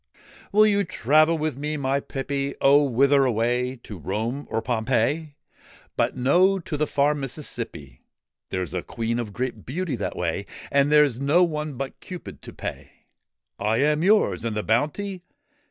' Will you travel with me, my pippy ?'' Oh ! Whither away ? To Rome or Pompeii ?'' But no ; to the far Mississippi: There's a Queen of great beauty that way, And there 's no one but Cupid to pay.' ' I am yours ! And the bounty